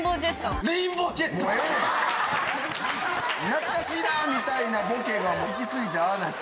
懐かしいなぁみたいなボケが行き過ぎてああなっちゃって。